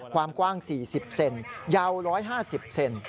ความกว้าง๔๐เซนยาว๑๕๐เซน